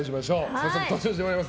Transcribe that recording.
早速登場してもらいます。